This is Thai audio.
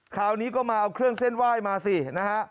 คราวนี้ก็มาเอาเครื่องเส้นไหว้มาสินะฮะ